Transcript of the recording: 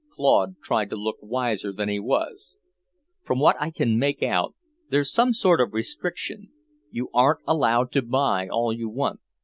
Claude tried to look wiser than he was. "From what I can make out, there's some sort of restriction; you aren't allowed to buy all you want.